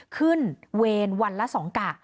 ขึ้นเวนวันละ๒กะ